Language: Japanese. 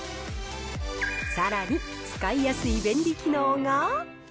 さらに、使いやすい便利機能が。